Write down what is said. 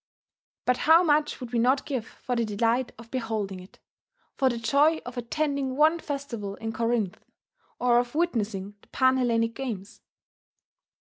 But how much would we not give for the delight of beholding it, for the joy of attending one festival in Corinth, or of witnessing the Pan Hellenic games?